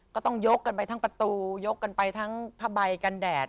ก็ต้องยกกันไปทั้งประตูยกกันไปทั้งผ้าใบกันแดด